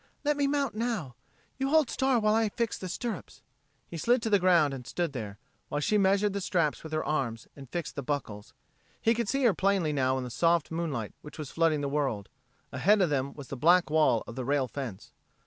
"Let me mount now. You hold Star while I fix the stirrups." He slid to the ground and stood there, while she measured the straps with her arms and fixed the buckles. He could see her plainly now in the soft moonlight which was flooding the world. Ahead of them was the black wall of the rail fence.